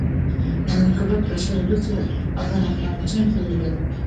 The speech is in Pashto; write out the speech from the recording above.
د امیر کروړ تر شعر وروسته د ابو محمد هاشم شعر دﺉ.